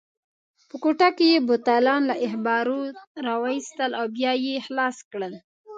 په کوټه کې یې بوتلان له اخبارو راوایستل او بیا یې خلاص کړل.